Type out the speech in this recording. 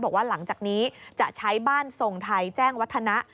บอกว่าหลังจากนี้จะใช้บ้านทรงไทยแจ้งวัฒนะ